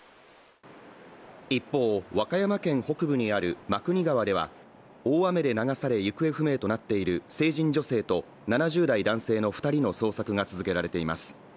一方、和歌山県北部にある真国川では、大雨で流され行方不明となっている成人女性と７０代男性の２人の捜索が続けられています。